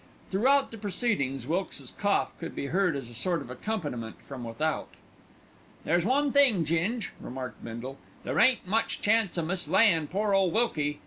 Throughout the proceedings Wilkes's cough could be heard as a sort of accompaniment from without. "There's one thing, Ging," remarked Bindle, "there ain't much chance o' mislayin' pore ole Wilkie.